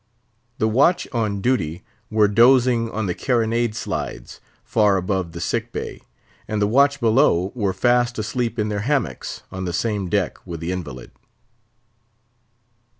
The watch on duty were dozing on the carronade slides, far above the sick bay; and the watch below were fast asleep in their hammocks, on the same deck with the invalid.